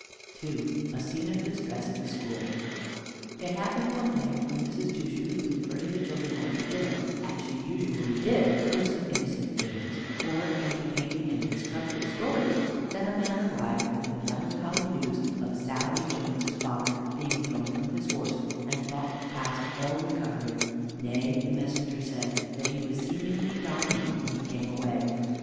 II A SCENE OF DISTRESS IN A SCHOOL It happened one day, when Mrs. Two Shoes was diverting the children after dinner, as she usually did, with some innocent games, or entertaining and instructive stories, that a man arrived with the melancholy news of Sally Jones's father being thrown from his horse, and thought past all recovery; nay, the messenger said, that he was seemingly dying when he came away.